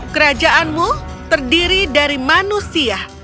kerajaanmu terdiri dari manusia